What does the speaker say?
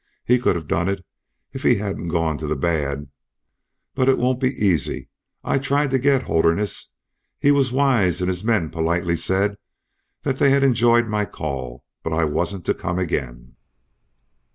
He could have done it, if he hadn't gone to the bad. But it won't be easy. I tried to get Holderness. He was wise, and his men politely said they had enjoyed my call, but I wasn't to come again."